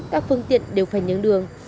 các phương tiện đều phải nhường đường